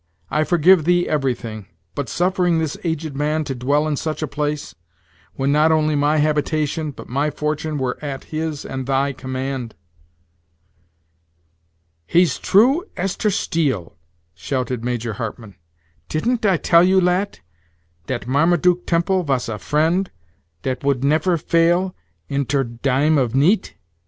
I forgive thee everything, but suffering this aged man to dwell in such a place, when not only my habitation, but my fortune, were at his and thy command." "He's true as ter steel!" shouted Major Hartmann; "titn't I tell you, lat, dat Marmatuke Temple vas a friend dat woult never fail in ter dime as of neet?"